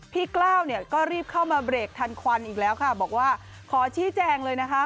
กล้าวเนี่ยก็รีบเข้ามาเบรกทันควันอีกแล้วค่ะบอกว่าขอชี้แจงเลยนะคะ